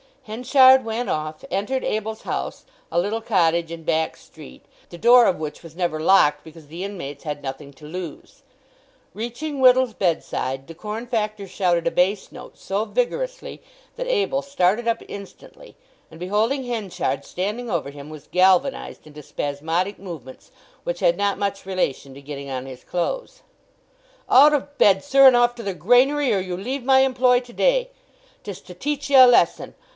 Henchard went off, entered Abel's house, a little cottage in Back Street, the door of which was never locked because the inmates had nothing to lose. Reaching Whittle's bedside the corn factor shouted a bass note so vigorously that Abel started up instantly, and beholding Henchard standing over him, was galvanized into spasmodic movements which had not much relation to getting on his clothes. "Out of bed, sir, and off to the granary, or you leave my employ to day! 'Tis to teach ye a lesson.